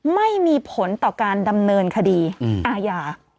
ไม่มีผลต่อการดำเนินคดีอาญา